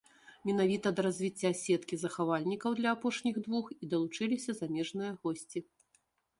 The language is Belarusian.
Менавіта да развіцця сеткі захавальнікаў для апошніх двух і далучыліся замежныя госці.